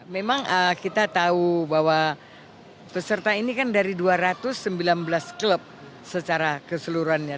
memang kita tahu bahwa peserta ini kan dari dua ratus sembilan belas klub secara keseluruhannya